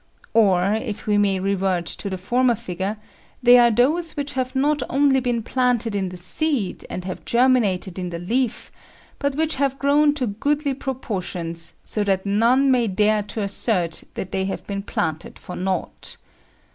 Or, if we may revert to the former figure, they are those which have not only been planted in the seed and have germinated in the leaf, but which have grown to goodly proportions, so that none may dare to assert that they have been planted for nought.